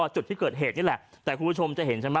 จุดที่เกิดเหตุนี่แหละแต่คุณผู้ชมจะเห็นใช่ไหม